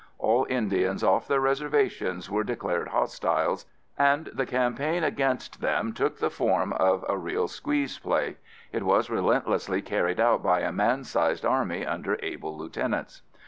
All Indians off their reservations were declared hostiles and the campaign against them took the form of a real squeeze play. It was relentlessly carried out by a man sized army under able lieutenants.